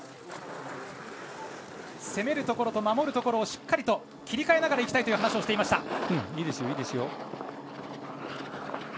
攻めるところと守るところをしっかり切り替えながらいきたいと話をしていました。